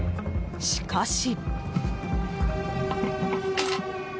しかし。